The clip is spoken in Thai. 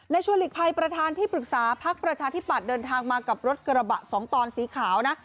ชวนหลีกภัยประธานที่ปรึกษาพักประชาธิปัตย์เดินทางมากับรถกระบะสองตอนสีขาวนะ